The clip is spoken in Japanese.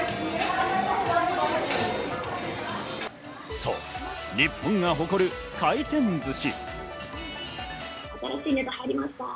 そう日本が誇る回転ずし。